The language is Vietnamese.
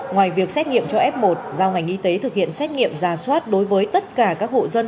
ngoài việc xét nghiệm cho f một giao ngành y tế thực hiện xét nghiệm ra soát đối với tất cả các hộ dân